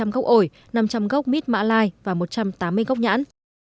một trăm linh gốc ổi năm trăm linh gốc mít mã lai và một trăm tám mươi gốc nhãn